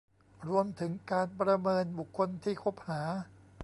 รวมถึงการประเมินบุคคลที่คบหา